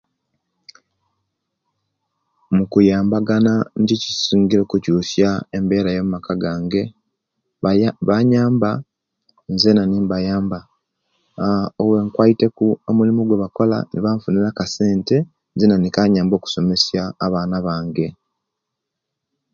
Muyambagana nikyo ejisingire okukyusya embera yamaka gange baya banyamba nzena nibayamba aah obwenkwaite ku omulimu ogwebakola nebanfunira akasente nzena nikanyamba okusomesiya abaana bange